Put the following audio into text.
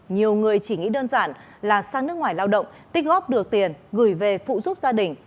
nhiều người chỉ nghĩ đơn giản là sang nước ngoài lao động tích góp được tiền gửi về phụ giúp gia đình